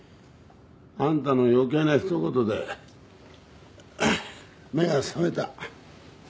あんたの余計な一言でうっ目が覚めた。